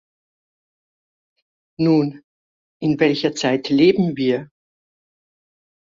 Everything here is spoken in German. Nun, in welcher Zeit leben wir?